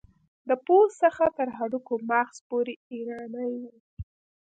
د پوست څخه تر هډوکو مغز پورې ایرانی و.